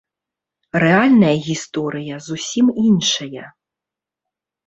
Рэальная гісторыя зусім іншая.